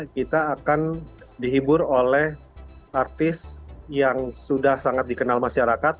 kita akan dihibur oleh artis yang sudah sangat dikenal masyarakat